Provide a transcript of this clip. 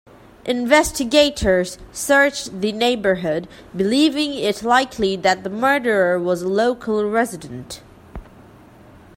Investigators searched the neighborhood, believing it likely that the murderer was a local resident.